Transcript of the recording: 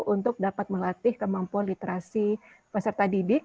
untuk dapat melatih kemampuan literasi peserta didik